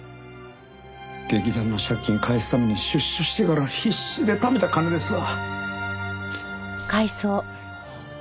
劇団の借金返すために出所してから必死でためた金ですわ。